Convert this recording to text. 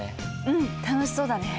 うん楽しそうだね。